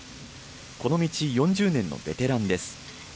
この道４０年のベテランです。